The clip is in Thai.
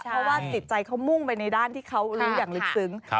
เพราะว่าจิตใจเขามุ่งไปในด้านที่เขารู้อย่างลึกซึ้ง